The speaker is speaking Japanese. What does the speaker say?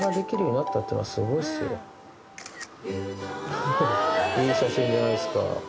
ハハハいい写真じゃないですか。